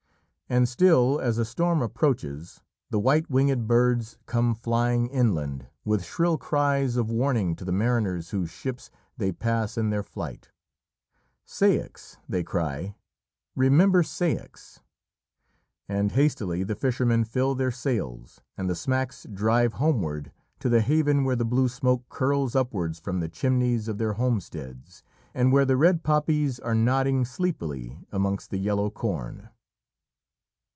And still, as a storm approaches, the white winged birds come flying inland with shrill cries of warning to the mariners whose ships they pass in their flight. "Ceyx!" they cry. "Remember Ceyx!" And hastily the fishermen fill their sails, and the smacks drive homeward to the haven where the blue smoke curls upwards from the chimneys of their homesteads, and where the red poppies are nodding sleepily amongst the yellow corn.